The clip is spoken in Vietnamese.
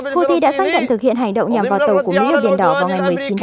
houthi đã xác nhận thực hiện hành động nhằm vào tàu của mỹ ở biển đỏ vào ngày một mươi chín tháng năm